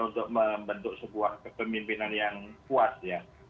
untuk membentuk sebuah kepemimpinan yang kuat ya